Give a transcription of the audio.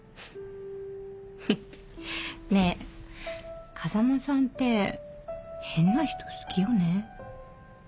フッねえ風間さんって変な人好きよね。